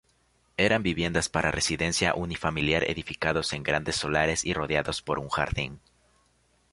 Eran viviendas para residencia unifamiliar edificados en grandes solares y rodeados por un jardín.